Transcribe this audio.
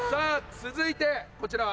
続いてこちらは。